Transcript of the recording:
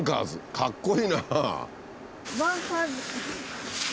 かっこいいな！